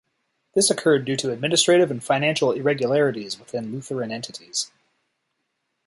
This occurred due to administrative and financial irregularities within Lutheran entities.